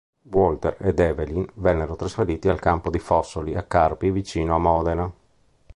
Walter ed Evelyn vennero trasferiti al Campo di Fossoli a Carpi, vicino a Modena.